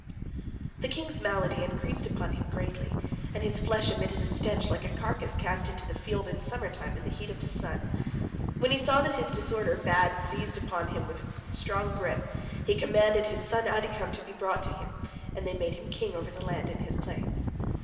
The king's malady increased upon him greatly, and his flesh emitted a stench like a carcass cast into the field in summer time in the heat of the sun. When he saw that his disorder bad seized upon him with a strong grip, he commanded his son Adikam to be brought to him, and they made him king over the land in his place.